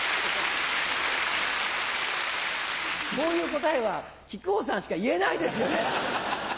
こういう答えは木久扇さんしか言えないですよね。